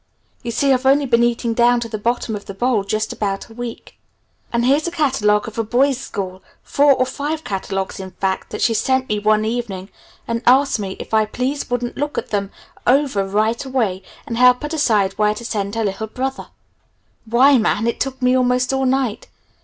You see I've only been eating down to the bottom of the bowl just about a week. And here's a catalogue of a boy's school, four or five catalogues in fact that she sent me one evening and asked me if I please wouldn't look them over right away and help her decide where to send her little brother. Why, man, it took me almost all night!